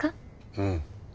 うん。